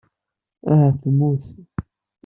Ahat temmut.